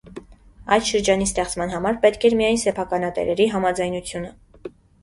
Այդ շրջանի ստեղծման համար պետք էր միայն սեփականատերերի համաձայնությունը։